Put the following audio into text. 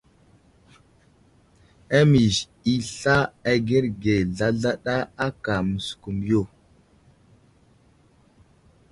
Amiz i sla agərge zlazlaɗa áka məskumiyo.